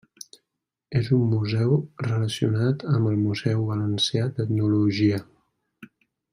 És un museu relacionat amb el Museu Valencià d'Etnologia.